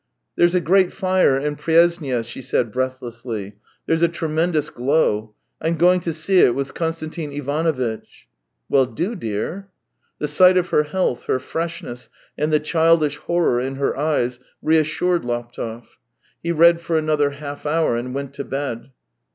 " There's a great fire in Pryesnya," she said breathlessly. " There's a tremendous glow. I'm going to see it with Konstantin Ivanovitch." 240 THE TALES OF TCHEHOV " Well, do, dear !" The sight of her health, her freshness, and the childish horror in her eyes, reassured Laptev. He read for another half hour and went to bed.